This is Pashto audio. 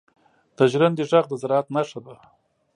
• د ژرندې ږغ د زراعت نښه ده.